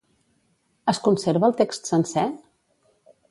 Es conserva el text sencer?